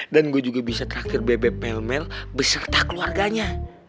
dan gue juga bisa traktir bebek melmel beserta keluarganya